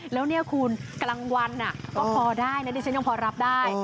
แล้วเนี่ยคุณกลางวันก็พอได้นะดิฉันยังพอรับได้